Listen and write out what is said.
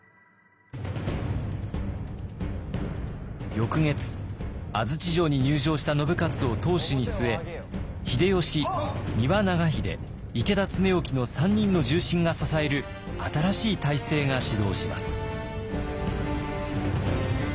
翌月安土城に入城した信雄を当主に据え秀吉丹羽長秀池田恒興の３人の重臣が支える新しい体制が始動します。